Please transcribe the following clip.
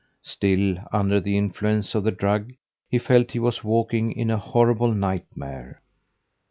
Still under the influence of the drug, he felt he was walking in a horrible nightmare.